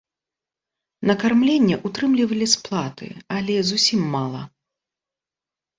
На кармленне ўтрымлівалі з платы, але зусім мала.